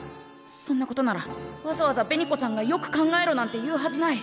そんなことならわざわざ紅子さんが「よく考えろ」なんて言うはずない。